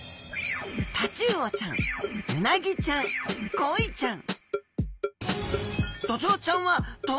タチウオちゃんウナギちゃんコイちゃん